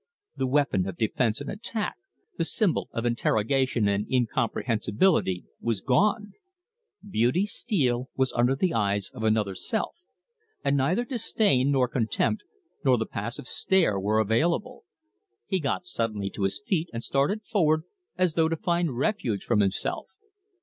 The weapon of defence and attack, the symbol of interrogation and incomprehensibility, was gone. Beauty Steele was under the eyes of another self, and neither disdain, nor contempt, nor the passive stare, were available. He got suddenly to his feet, and started forward, as though to find refuge from himself.